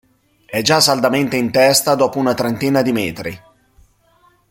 È già saldamente in testa dopo una trentina di metri.